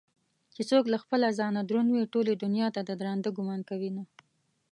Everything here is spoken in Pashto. چې څوك له خپله ځانه دروند وي ټولې دنياته ددراندۀ ګومان كوينه